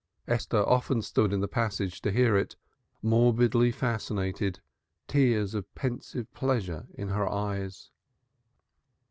Esther often stood in the passage to hear it, morbidly fascinated, tears of pensive pleasure in her eyes.